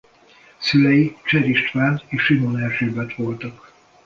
Szülei Cser István és Simon Erzsébet voltak.